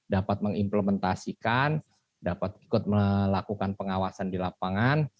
dapat mengimplementasikan dapat ikut melakukan pengawasan di lapangan